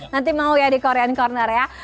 nanti mau ya di korean corner ya